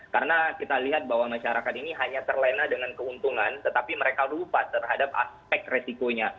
karena kita lihat bahwa masyarakat ini hanya terlena dengan keuntungan tetapi mereka lupa terhadap aspek risikonya